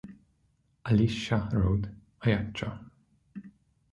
A Liscia road, Ajaccio